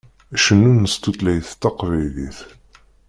Cennun s tutlayt taqbaylit.